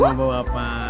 ya gambar mau bapa